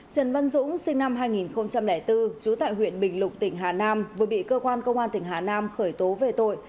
trần văn dũng sinh năm hai nghìn bốn trú tại huyện bình lục tỉnh hà nam vừa bị cơ quan công an tỉnh hà nam khởi tố về tội